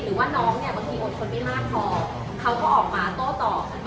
หรือว่าน้องเนี่ยบางทีอดทนไม่มากพอเขาก็ออกมาโต้ตอบ